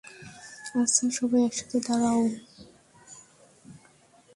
আচ্ছা, সবাই একসাথে দাঁড়াও।